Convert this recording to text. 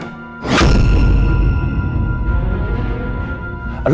mendarah daging babi buta